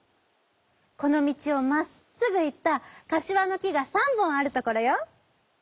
「このみちをまっすぐいったかしわのきが３ぼんあるところよ」。